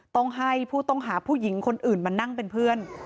ต้องให้ผู้ต้องหาผู้หญิงคนอื่นมานั่งเป็นเพื่อน